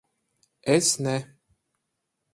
Es ne...